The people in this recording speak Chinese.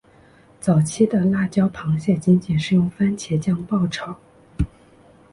早期的辣椒螃蟹仅仅是用番茄酱爆炒。